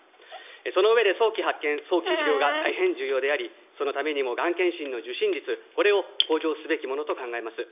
その上で早期発見、早期治療が大変重要であり、そのためにもがん検診の受診率、これを向上すべきものと考えます。